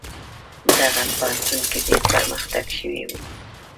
دغه پوهنتون کې ډیر پرمختګ شوی و.